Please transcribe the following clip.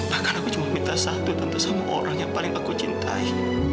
bahkan aku cuma minta satu tentu sama orang yang paling aku cintai